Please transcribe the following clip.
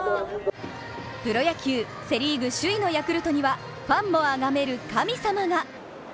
プロ野球、セ・リーグ首位のヤクルトにはファンもあがめる神様が！